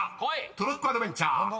［トロッコアドベンチャースタート！］